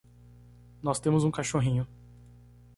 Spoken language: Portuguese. Nós temos um cachorrinho